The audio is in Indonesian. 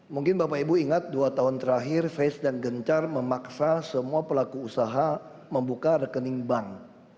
mungkin bapak ibu ingat dua tahun terakhir face dan gencar memaksa semua pelaku usaha membuka rekening bank